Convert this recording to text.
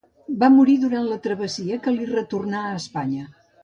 Va morir durant la travessia que li retornà a Espanya.